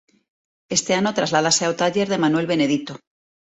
Ese ano trasládase ao taller de Manuel Benedito.